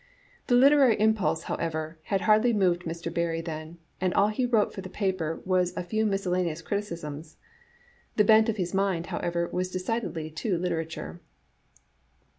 The literary impulse, however, had hardly moved Mr. Barrie then, and all he wrote for the paper was a few miscellaneous criticisms. The bent of his mind, however, was decidedly to literature.